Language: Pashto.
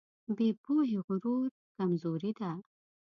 بې پوهې غرور کمزوري ده.